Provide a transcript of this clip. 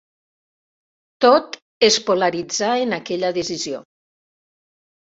Tot es polaritzà en aquella decisió.